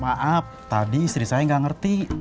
maaf tadi istri saya nggak ngerti